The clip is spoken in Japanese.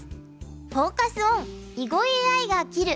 フォーカス・オン「囲碁ＡＩが斬る！